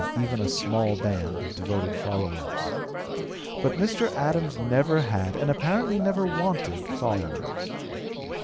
231) even a small band of devoted followers. But Mr. Adams never had and apparently never wanted followers.